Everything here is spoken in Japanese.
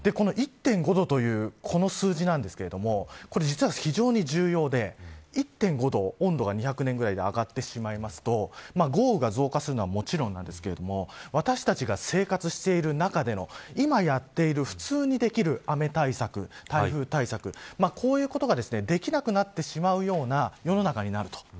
１．５度というこの数字ですが実は非常に重要で１．５度、温度が２００年ぐらいで上がってしまいますと豪雨が増加するのはもちろんですが私たちが生活している中での今やっている普通にできる雨対策台風対策、こういうことができなくなってしまうような世の中になると。